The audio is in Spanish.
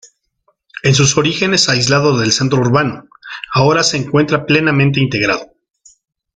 En sus orígenes aislado del centro urbano, ahora se encuentra plenamente integrado.